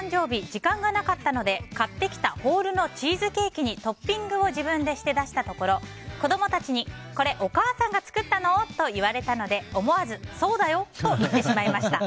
時間がなかったので買ってきたホールのチーズケーキにトッピングを自分でして出したところ子供たちにこれお母さんが作ったの？と言われたので思わずそうだよと言ってしまいました。